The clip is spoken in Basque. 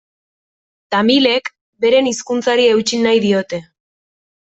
Tamilek beren hizkuntzari eutsi nahi diote.